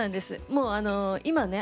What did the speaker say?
もう今ね